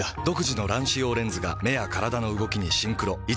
独自の乱視用レンズが目や体の動きにシンクロ。